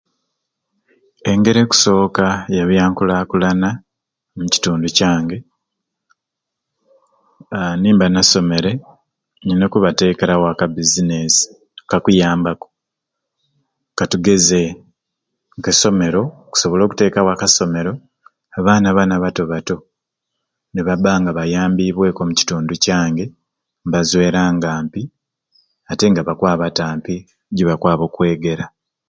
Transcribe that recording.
Engeri ekusoka eya byankulakulana omukitundu kyange haa nimba nasomere nina okubatekerawo aka business kakuyambaku katugeze esomero nkusobola okutekawo aka somero abaana bani abato bato nibaba nga bayambibweku omu kitundu kyange nibazweranga ampi ate nga bakwaba ampi gyebakwaba okwegera